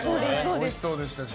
おいしそうでしたし。